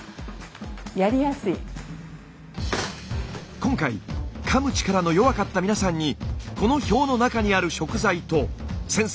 今回かむ力の弱かった皆さんにこの表の中にある食材と先生